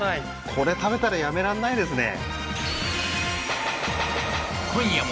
これ食べたらやめられないですね